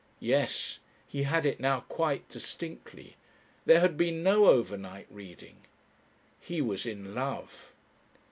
Yes. He had it now quite distinctly. There had been no overnight reading. He was in Love.